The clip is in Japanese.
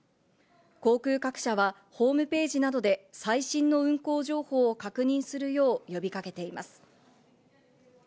航空各社はホームページなどで最新の運航情報を確認するよう呼びかけています。